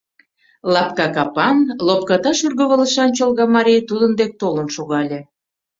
Лапка капан, лопката шӱргывылышан чолга марий тудын дек толын шогале.